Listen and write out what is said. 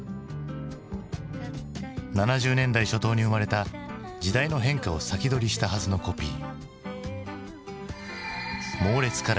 ７０年代初頭に生まれた時代の変化を先取りしたはずのコピー。